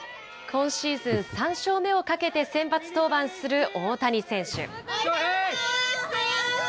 今シーズン３勝目をかけて先発登板する大谷選手。